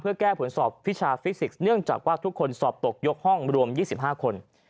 เพื่อแก้ผลสอบวิชาฟิสิกส์เนื่องจากว่าทุกคนสอบตกยกห้องรวม๒๕คน